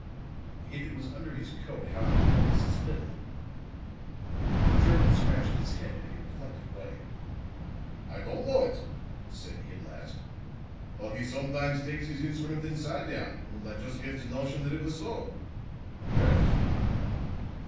"If it was under his coat, how do you know it was his fiddle?" The German scratched his head in a reflective way. "I don't know it," said he at last. "But he somedimes takes his instrument inside there, und I just get the notion that it was so. Yes?"